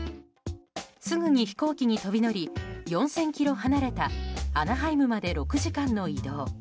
すぐに飛行機に飛び乗り４０００ｋｍ離れたアナハイムまで６時間の移動。